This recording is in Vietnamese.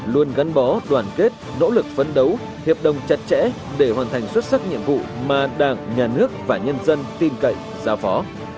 luôn gắn bó đoàn kết nỗ lực phấn đấu hiệp đồng chặt chẽ để hoàn thành xuất sắc nhiệm vụ mà đảng nhà nước và nhân dân tin cậy giao phó